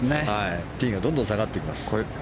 ティーがどんどん下がっていきます。